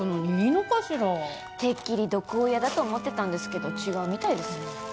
てっきり毒親だと思ってたんですけど違うみたいです。